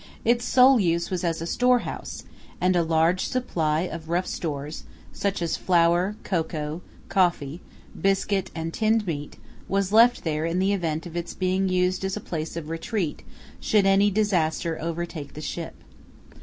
Its sole use was as a storehouse, and a large supply of rough stores, such as flour, cocoa, coffee, biscuit, and tinned meat, was left there in the event of its being used as a place of retreat should any disaster overtake the ship.